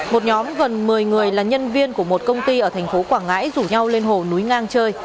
một nhóm gần một mươi người là nhân viên của một công ty ở thành phố quảng ngãi rủ nhau lên hồ núi ngang chơi